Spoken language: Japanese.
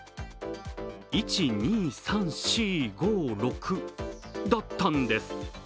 「１２３４５６」だったんです。